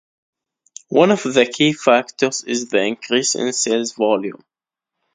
One of the key factors is the increase in sales volume.